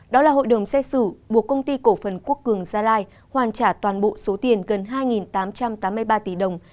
đó là hội đồng xét xử buộc công ty cổ phần quốc cường gia lai hoàn trả toàn bộ số tiền gần hai tám trăm tám mươi ba tỷ đồng